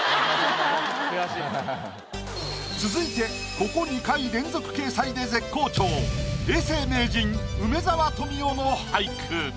続いてここ２回連続掲載で絶好調永世名人梅沢富美男の俳句。